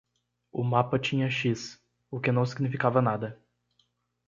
O mapa tinha X, o que não significava nada.